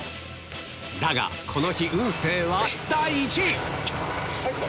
だが、この日、運勢は第１位。